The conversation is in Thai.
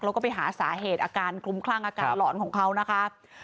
แล้วก็ไปหาสาเหตุอาการคลุ้มคลั่งอาการหลอนของเขานะคะ